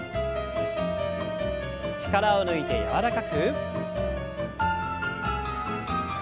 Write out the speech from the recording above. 力を抜いて柔らかく。